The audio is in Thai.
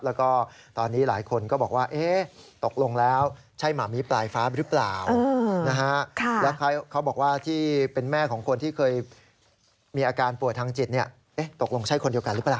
แล้วก็ตอนนี้หลายคนก็บอกว่าเอ๊ะตกลงแล้วใช่มามีปลายฟ้าหรือเปล่านะฮะ